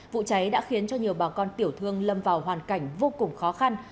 vụ cháy đã khiến cho nhiều bà con tiểu thương lâm vào hoàn cảnh vô cùng khó khăn